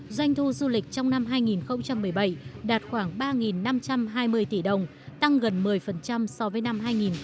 doanh thu du lịch trong năm hai nghìn một mươi bảy đạt khoảng ba năm trăm hai mươi tỷ đồng tăng gần một mươi so với năm hai nghìn một mươi bảy